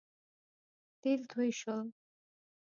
تېل توی شول